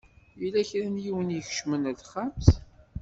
Yella kra n yiwen i ikecmen ar texxamt.